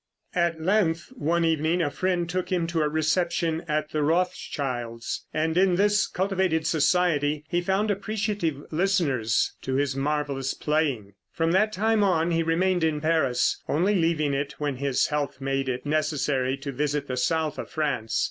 At length one evening a friend took him to a reception at the Rothschild's, and in this cultivated society he found appreciative listeners to his marvelous playing. From that time on he remained in Paris, only leaving it when his health made it necessary to visit the south of France.